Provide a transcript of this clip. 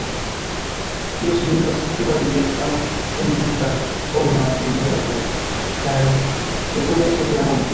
Tio signifas aktivado de aŭtentika homa libera volo kaj respondeco de la homo.